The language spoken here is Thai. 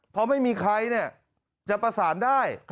เพราะไม่มีใครจะประสานได้